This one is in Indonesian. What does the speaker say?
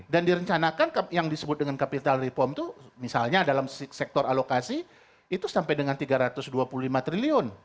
dan direncanakan yang disebut dengan kapital reform itu misalnya dalam sektor alokasi itu sampai dengan tiga ratus dua puluh lima triliun